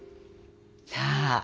さあ。